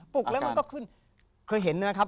ลุกแล้วมันก็ขึ้นเคยเห็นนะครับ